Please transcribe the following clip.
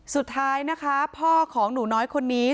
สุดท้ายนะคะพ่อของหนูน้อยคนนี้